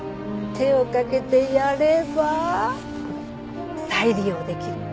手をかけてやれば再利用できる。